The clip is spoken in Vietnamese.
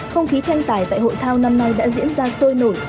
không khí tranh tải tại hội thao năm nay đã diễn ra sôi nổi